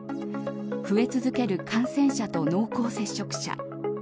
増え続ける感染者と濃厚接触者。